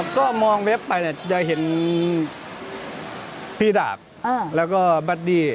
ก็มองเว็บไปจะเห็นพี่ดาบและบาร์ดดี้